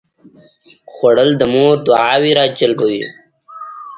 خوړل د مور دعاوې راجلبوي